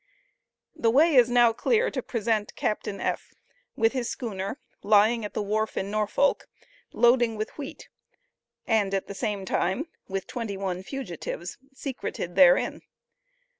The way is now clear to present Captain F. with his schooner lying at the wharf in Norfolk, loading with wheat, and at the same time with twenty one fugitives secreted therein.